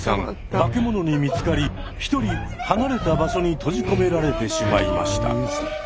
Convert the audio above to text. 化け物に見つかり一人離れた場所に閉じ込められてしまいました。